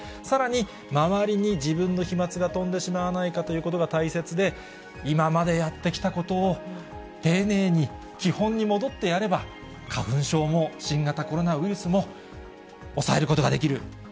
さらに、周りに自分の飛まつが飛んでしまわないかということが大切で、今までやってきたことを、丁寧に基本に戻ってやれば、花粉症も新型コロナウイルスも抑えることができる。